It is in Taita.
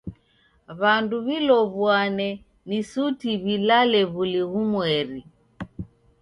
W'andu w'ilow'uane si suti w'ilalew'uli ghumweri.